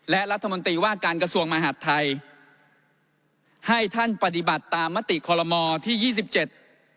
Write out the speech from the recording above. และรัฐมนตรีว่าการกระทรวงมหาดไทยให้ท่านปฏิบัติตามมติคอลโลมอที่ยี่สิบเจ็ด